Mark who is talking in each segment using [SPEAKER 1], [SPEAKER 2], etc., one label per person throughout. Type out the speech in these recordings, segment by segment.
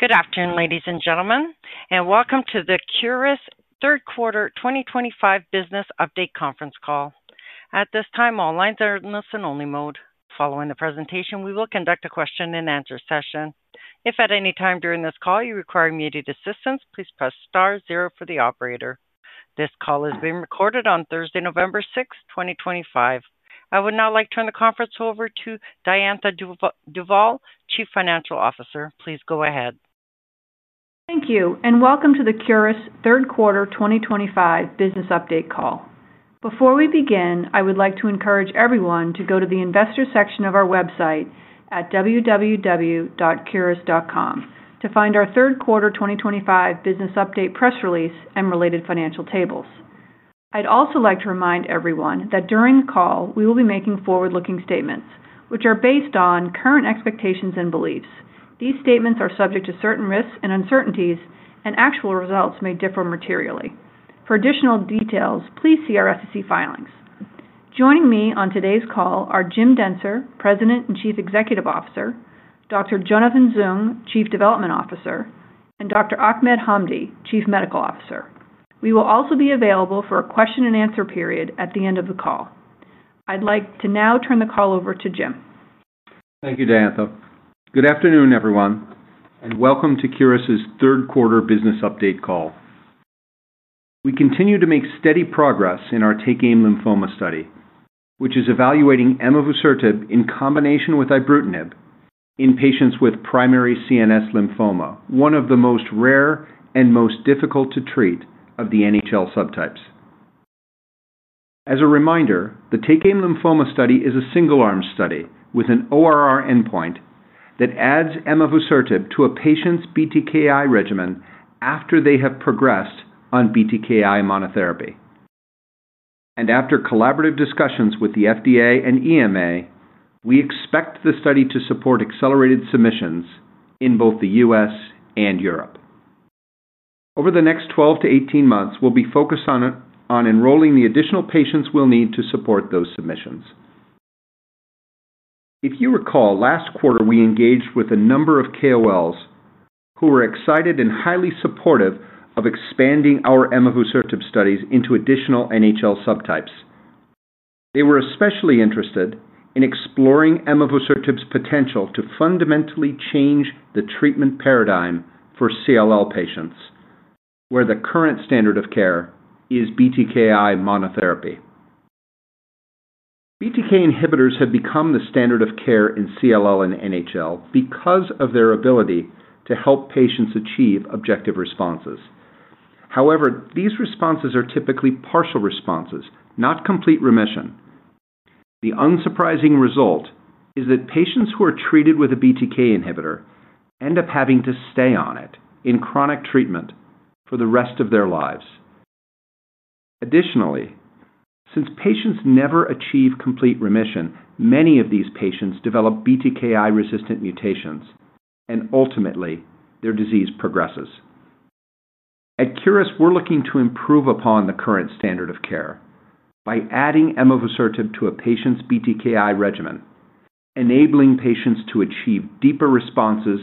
[SPEAKER 1] Good afternoon, ladies and gentlemen, and welcome to the Curis Third Quarter 2025 Business Update Conference Call. At this time, all lines are in listen-only mode. Following the presentation, we will conduct a question-and-answer session. If at any time during this call you require immediate assistance, please press star zero for the operator. This call is being recorded on Thursday, November 6, 2025. I would now like to turn the conference over to Diantha Duvall, Chief Financial Officer. Please go ahead.
[SPEAKER 2] Thank you, and welcome to the Curis Third Quarter 2025 Business Update Call. Before we begin, I would like to encourage everyone to go to the Investor section of our website at www.curis.com to find our Third Quarter 2025 Business Update Press Release and related financial tables. I'd also like to remind everyone that during the call we will be making forward-looking statements, which are based on current expectations and beliefs. These statements are subject to certain risks and uncertainties, and actual results may differ materially. For additional details, please see our SEC filings. Joining me on today's call are Jim Dentzer, President and Chief Executive Officer, Dr. Jonathan Zung, Chief Development Officer, and Dr. Ahmed Hamdy, Chief Medical Officer. We will also be available for a question-and-answer period at the end of the call. I'd like to now turn the call over to Jim.
[SPEAKER 3] Thank you, Diantha. Good afternoon, everyone, and welcome to Curis's Third Quarter Business Update Call. We continue to make steady progress in our TakeAim Lymphoma study, which is evaluating emavusertib in combination with ibrutinib in patients with primary CNS lymphoma, one of the most rare and most difficult to treat of the NHL subtypes. As a reminder, the TakeAim Lymphoma study is a single-arm study with an ORR endpoint that adds emavusertib to a patient's BTKi regimen after they have progressed on BTKi monotherapy. After collaborative discussions with the FDA and EMA, we expect the study to support accelerated submissions in both the U.S. and Europe. Over the next 12-18 months, we will be focused on enrolling the additional patients we will need to support those submissions. If you recall, last quarter we engaged with a number of KOLs who were excited and highly supportive of expanding our emavusertib studies into additional NHL subtypes. They were especially interested in exploring emavusertib's potential to fundamentally change the treatment paradigm for CLL patients, where the current standard of care is BTKi monotherapy. BTK inhibitors have become the standard of care in CLL and NHL because of their ability to help patients achieve objective responses. However, these responses are typically partial responses, not complete remission. The unsurprising result is that patients who are treated with a BTK inhibitor end up having to stay on it in chronic treatment for the rest of their lives. Additionally, since patients never achieve complete remission, many of these patients develop BTKi-resistant mutations, and ultimately their disease progresses. At Curis, we're looking to improve upon the current standard of care by adding emavusertib to a patient's BTKi regimen, enabling patients to achieve deeper responses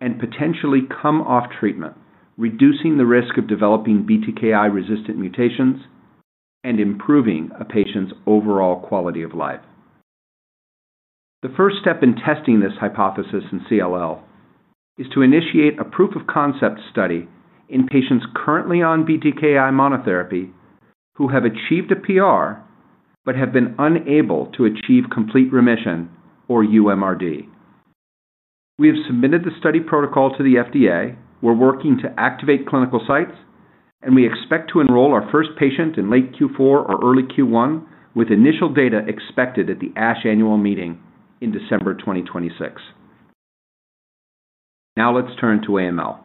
[SPEAKER 3] and potentially come off treatment, reducing the risk of developing BTKi-resistant mutations and improving a patient's overall quality of life. The first step in testing this hypothesis in CLL is to initiate a proof-of-concept study in patients currently on BTKi monotherapy who have achieved a PR but have been unable to achieve complete remission or uMRD. We have submitted the study protocol to the FDA. We're working to activate clinical sites, and we expect to enroll our first patient in late Q4 or early Q1 with initial data expected at the ASH Annual Meeting in December 2026. Now let's turn to AML.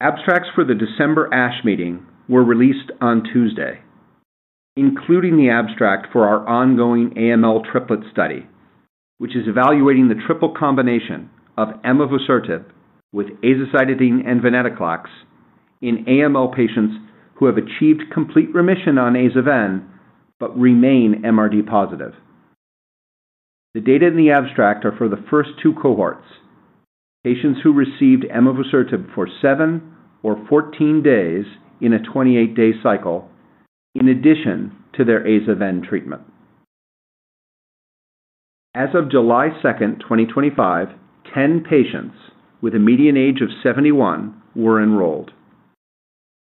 [SPEAKER 3] Abstracts for the December ASH Meeting were released on Tuesday. Including the abstract for our ongoing AML Triplet Study, which is evaluating the triple combination of emavusertib with azacitidine and venetoclax in AML patients who have achieved complete remission on AzaVen, but remain MRD positive. The data in the abstract are for the first two cohorts: patients who received emavusertib for 7 or 14 days in a 28-day cycle, in addition to their AzaVen treatment. As of July 2, 2025, 10 patients with a median age of 71 were enrolled.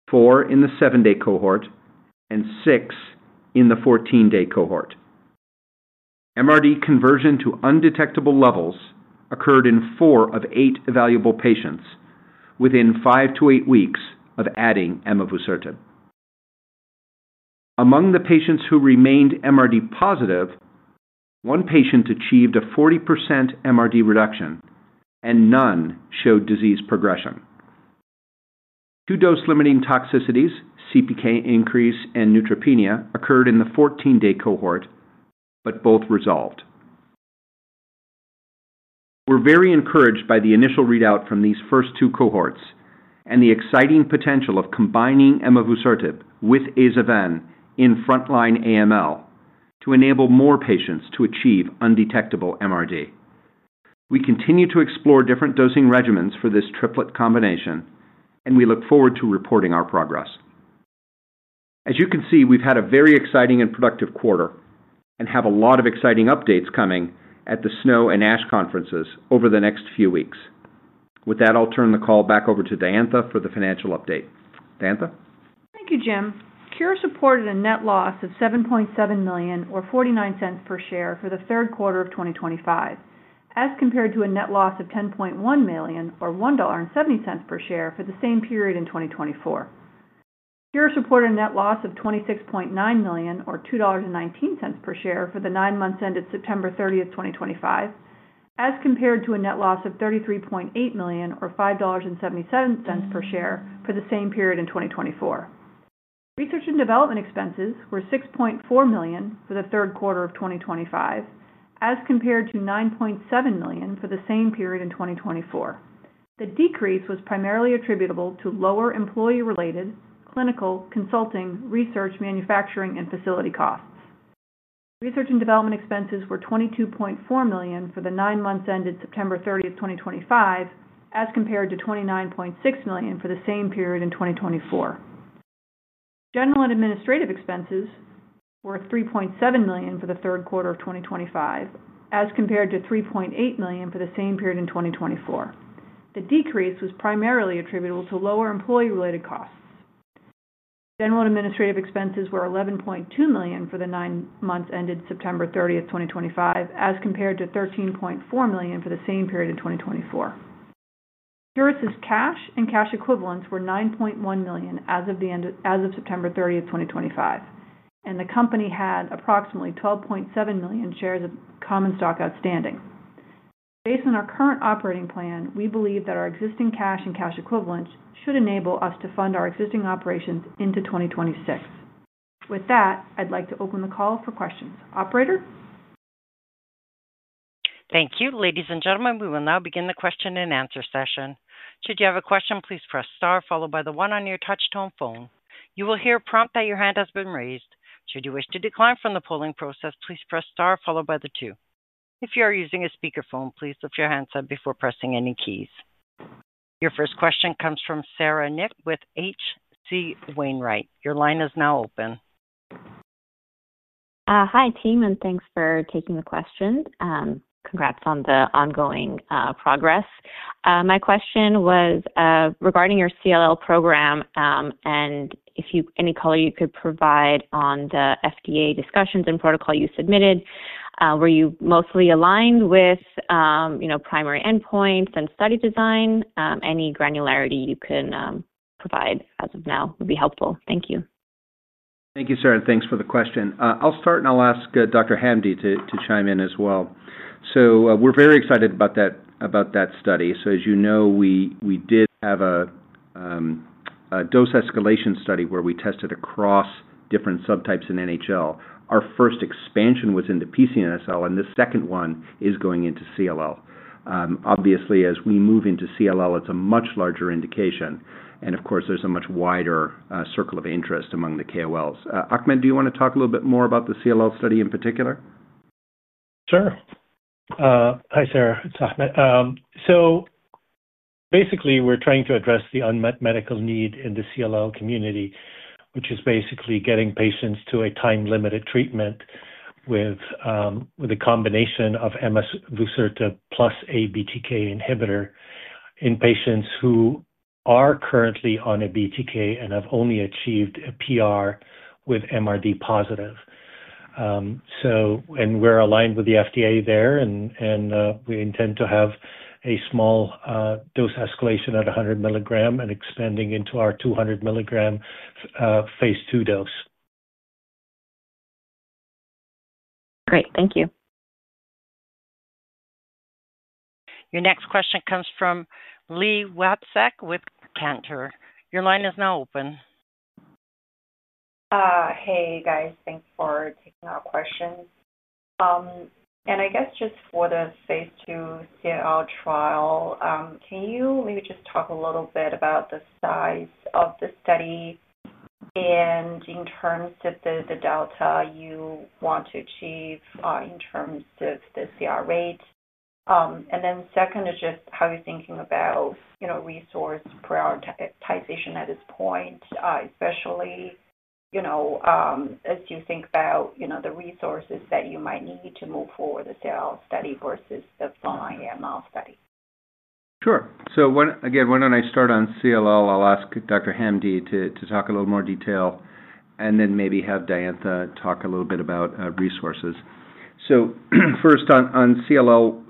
[SPEAKER 3] Four in the 7-day cohort and six in the 14-day cohort. MRD conversion to undetectable levels occurred in four of eight evaluable patients within five to eight weeks of adding emavusertib. Among the patients who remained MRD positive, one patient achieved a 40% MRD reduction, and none showed disease progression. Two dose-limiting toxicities, CPK increase and neutropenia, occurred in the 14-day cohort, but both resolved. We're very encouraged by the initial readout from these first two cohorts and the exciting potential of combining emavusertib with AzaVen in frontline AML to enable more patients to achieve undetectable MRD. We continue to explore different dosing regimens for this triplet combination, and we look forward to reporting our progress. As you can see, we've had a very exciting and productive quarter and have a lot of exciting updates coming at the SNO and ASH conferences over the next few weeks. With that, I'll turn the call back over to Diantha for the financial update. Diantha?
[SPEAKER 2] Thank you, Jim. Curis reported a net loss of $7.7 million, or $0.49 per share, for the third quarter of 2025, as compared to a net loss of $10.1 million, or $1.70 per share, for the same period in 2024. Curis reported a net loss of $26.9 million, or $2.19 per share, for the nine months ended September 30, 2025, as compared to a net loss of $33.8 million, or $5.77 per share, for the same period in 2024. Research and development expenses were $6.4 million for the third quarter of 2025, as compared to $9.7 million for the same period in 2024. The decrease was primarily attributable to lower employee-related clinical, consulting, research, manufacturing, and facility costs. Research and development expenses were $22.4 million for the nine months ended September 30, 2025, as compared to $29.6 million for the same period in 2024. General and administrative expenses were $3.7 million for the third quarter of 2025, as compared to $3.8 million for the same period in 2024. The decrease was primarily attributable to lower employee-related costs. General and administrative expenses were $11.2 million for the nine months ended September 30, 2025, as compared to $13.4 million for the same period in 2024. Curis's cash and cash equivalents were $9.1 million as of September 30, 2025, and the company had approximately 12.7 million shares of common stock outstanding. Based on our current operating plan, we believe that our existing cash and cash equivalents should enable us to fund our existing operations into 2026. With that, I'd like to open the call for questions. Operator?
[SPEAKER 1] Thank you. Ladies and gentlemen, we will now begin the question-and-answer session. Should you have a question, please press star followed by the one on your touch-tone phone. You will hear a prompt that your hand has been raised. Should you wish to decline from the polling process, please press star followed by the two. If you are using a speakerphone, please lift your hands before pressing any keys. Your first question comes from Sara Nik with H.C. Wainwright. Your line is now open.
[SPEAKER 4] Hi, team, and thanks for taking the question. Congrats on the ongoing progress. My question was regarding your CLL program. If you have any color you could provide on the FDA discussions and protocol you submitted. Were you mostly aligned with primary endpoints and study design? Any granularity you can provide as of now would be helpful. Thank you.
[SPEAKER 3] Thank you, Sarah, and thanks for the question. I'll start, and I'll ask Dr. Hamdy to chime in as well. We're very excited about that study. As you know, we did have a dose escalation study where we tested across different subtypes in NHL. Our first expansion was into PCNSL, and the second one is going into CLL. Obviously, as we move into CLL, it's a much larger indication. Of course, there's a much wider circle of interest among the KOLs. Ahmed, do you want to talk a little bit more about the CLL study in particular?
[SPEAKER 5] Sure. Hi, Sara. It's Ahmed. Basically, we're trying to address the unmet medical need in the CLL community, which is basically getting patients to a time-limited treatment with a combination of emavusertib plus a BTK inhibitor in patients who are currently on a BTK and have only achieved a PR with MRD positive. We're aligned with the FDA there, and we intend to have a small dose escalation at 100 milligram and expanding into our 200 milligram phase II dose.
[SPEAKER 4] Great. Thank you.
[SPEAKER 1] Your next question comes from Li Watsek with Cantor Fitzgerald. Your line is now open.
[SPEAKER 6] Hey, guys. Thanks for taking our questions. I guess just for the phase two CLL trial, can you maybe just talk a little bit about the size of the study? In terms of the delta you want to achieve in terms of the CR rate? The second is just how you're thinking about resource prioritization at this point, especially as you think about the resources that you might need to move forward the CLL study versus the full-on AML study.
[SPEAKER 3] Sure. Again, why don't I start on CLL? I'll ask Dr. Hamdy to talk a little more detail and then maybe have Diantha talk a little bit about resources. First, on CLL.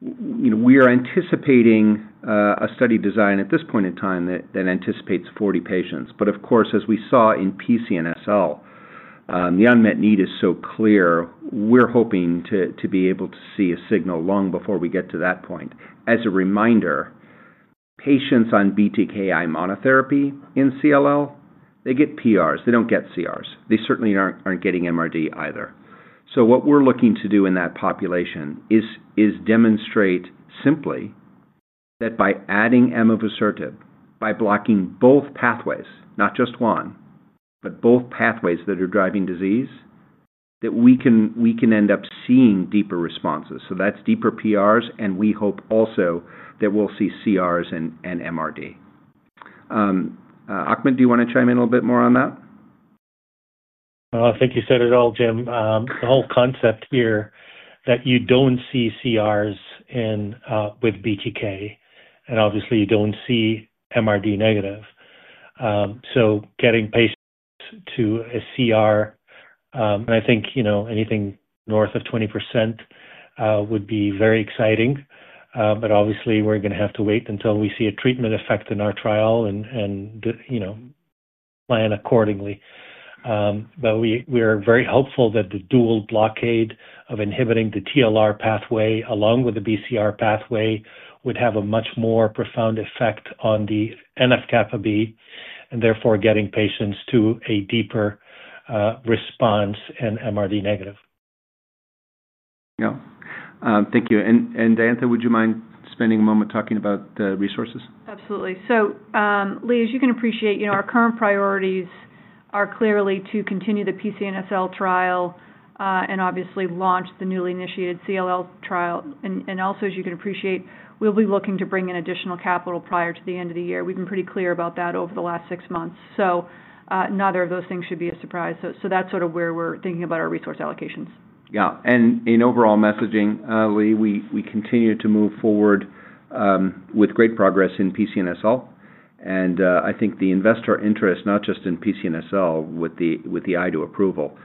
[SPEAKER 3] We are anticipating a study design at this point in time that anticipates 40 patients. Of course, as we saw in PCNSL, the unmet need is so clear, we're hoping to be able to see a signal long before we get to that point. As a reminder, patients on BTKi monotherapy in CLL, they get PRs. They don't get CRs. They certainly aren't getting MRD either. What we're looking to do in that population is demonstrate simply that by adding emavusertib, by blocking both pathways, not just one, but both pathways that are driving disease, we can end up seeing deeper responses. That's deeper PRs, and we hope also that we'll see CRs and MRD. Ahmed, do you want to chime in a little bit more on that?
[SPEAKER 5] I think you said it all, Jim. The whole concept here that you do not see CRs. With BTK, and obviously you do not see MRD negative. Getting patients to a CR, and I think anything north of 20% would be very exciting. Obviously, we are going to have to wait until we see a treatment effect in our trial and plan accordingly. We are very hopeful that the dual blockade of inhibiting the TLR pathway along with the BCR pathway would have a much more profound effect on the NF-kB and therefore getting patients to a deeper response and MRD negative.
[SPEAKER 3] Yeah. Thank you. Diantha, would you mind spending a moment talking about the resources?
[SPEAKER 2] Absolutely. Li, as you can appreciate, our current priorities are clearly to continue the PCNSL trial and obviously launch the newly initiated CLL trial. Also, as you can appreciate, we'll be looking to bring in additional capital prior to the end of the year. We've been pretty clear about that over the last six months. Neither of those things should be a surprise. That is sort of where we're thinking about our resource allocations.
[SPEAKER 3] Yeah. In overall messaging, Li, we continue to move forward with great progress in PCNSL. I think the investor interest, not just in PCNSL with the IDU approval,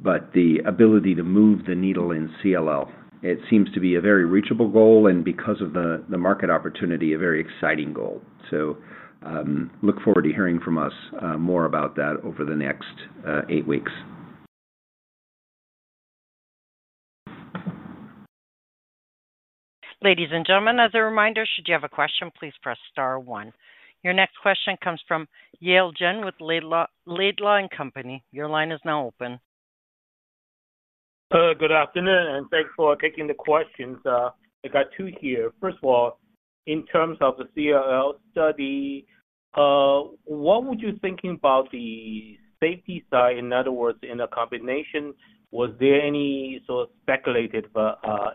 [SPEAKER 3] but the ability to move the needle in CLL, it seems to be a very reachable goal and because of the market opportunity, a very exciting goal. Look forward to hearing from us more about that over the next eight weeks.
[SPEAKER 1] Ladies and gentlemen, as a reminder, should you have a question, please press star one. Your next question comes from Yale Jen with Laidlaw & Company. Your line is now open.
[SPEAKER 7] Good afternoon, and thanks for taking the questions. I got two here. First of all, in terms of the CLL study. What would you think about the safety side? In other words, in a combination, was there any sort of speculated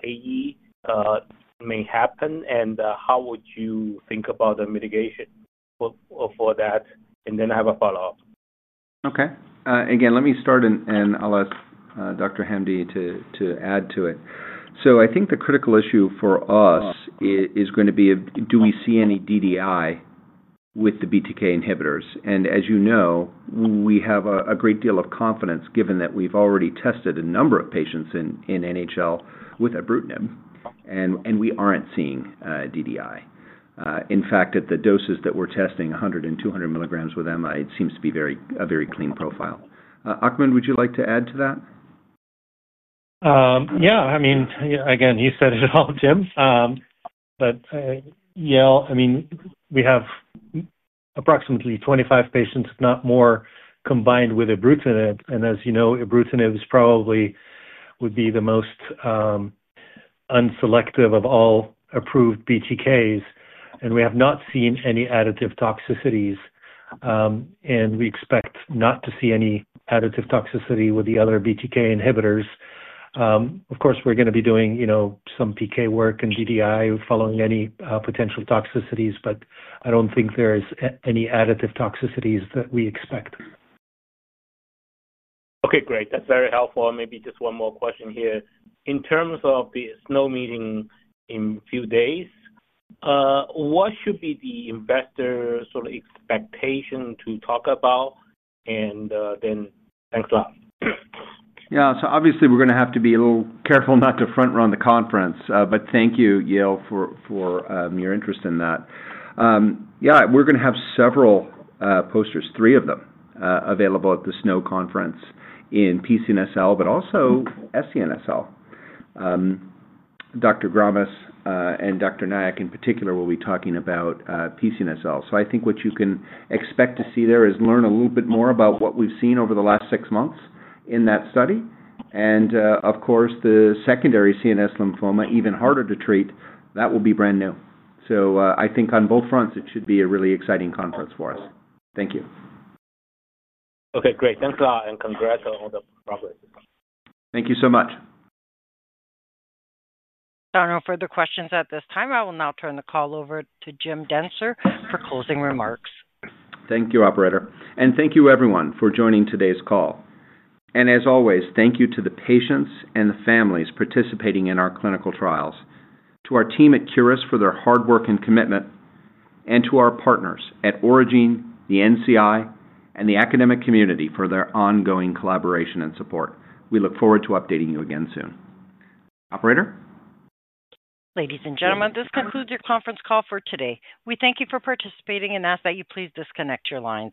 [SPEAKER 7] AE may happen? How would you think about the mitigation for that? I have a follow-up.
[SPEAKER 3] Okay. Again, let me start, and I'll ask Dr. Hamdy to add to it. I think the critical issue for us is going to be, do we see any DDI with the BTK inhibitors? As you know, we have a great deal of confidence given that we've already tested a number of patients in NHL with ibrutinib, and we aren't seeing DDI. In fact, at the doses that we're testing, 100 and 200 milligrams with MI, it seems to be a very clean profile. Ahmed, would you like to add to that?
[SPEAKER 5] Yeah. I mean, again, you said it all, Jim. Yale, I mean, we have approximately 25 patients, if not more, combined with ibrutinib. As you know, ibrutinib would be the most unselective of all approved BTKs. We have not seen any additive toxicities. We expect not to see any additive toxicity with the other BTK inhibitors. Of course, we're going to be doing some PK work and DDI following any potential toxicities, but I don't think there are any additive toxicities that we expect.
[SPEAKER 7] Okay. Great. That's very helpful. Maybe just one more question here. In terms of the SNO meeting in a few days, what should be the investor sort of expectation to talk about? Next slide.
[SPEAKER 3] Yeah. Obviously, we're going to have to be a little careful not to front-run the conference. Thank you, Yale, for your interest in that. We're going to have several posters, three of them, available at the SNO conference in PCNSL, but also SCNSL. Dr. Grommas and Dr. Nayak in particular will be talking about PCNSL. I think what you can expect to see there is learn a little bit more about what we've seen over the last six months in that study. Of course, the secondary CNS lymphoma, even harder to treat, that will be brand new. I think on both fronts, it should be a really exciting conference for us. Thank you.
[SPEAKER 7] Okay. Great. Thanks a lot. Congrats on the progress.
[SPEAKER 3] Thank you so much.
[SPEAKER 1] There are no further questions at this time. I will now turn the call over to Jim Dentzer for closing remarks.
[SPEAKER 3] Thank you, Operator. Thank you, everyone, for joining today's call. As always, thank you to the patients and the families participating in our clinical trials, to our team at Curis for their hard work and commitment, and to our partners at Origin, the NCI, and the academic community for their ongoing collaboration and support. We look forward to updating you again soon. Operator?
[SPEAKER 1] Ladies and gentlemen, this concludes your conference call for today. We thank you for participating and ask that you please disconnect your lines.